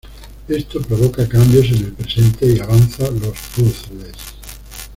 Esto provoca cambios en el presente y avanza los puzzles.